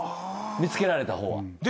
見つけられた方は。